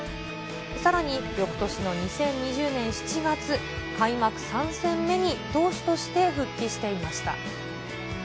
さらによくとしの２０２０年７月、開幕３戦目に投手として復帰していました。